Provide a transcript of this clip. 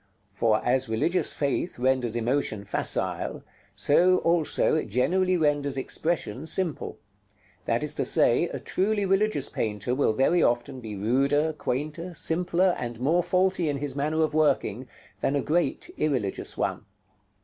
For as religious faith renders emotion facile, so also it generally renders expression simple; that is to say a truly religious painter will very often be ruder, quainter, simpler, and more faulty in his manner of working, than a great irreligious one.